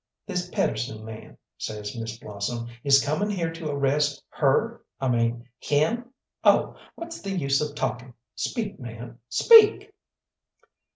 "This Pedersen man," says Miss Blossom, "is coming here to arrest her I mean him! Oh, what's the use of talking! Speak, man! Speak!"